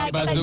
nah ini dia